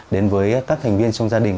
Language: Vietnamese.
đến với các thành viên trong gia đình